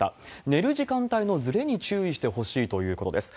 寝る時間帯のずれに注意してほしいということです。